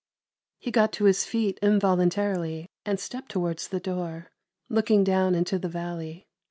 He got to his feet involuntarily and stepped towards the door, looking down into the valley.